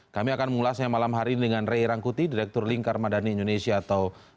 kami akan mengulasnya malam hari ini dengan ray rangkuti direktur lingkar madani indonesia atau